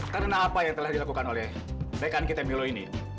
karena apa yang telah dilakukan oleh bekan kita milo ini